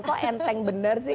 kok enteng benar sih